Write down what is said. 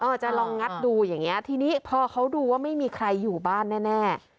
จะลองงัดดูอย่างเงี้ทีนี้พอเขาดูว่าไม่มีใครอยู่บ้านแน่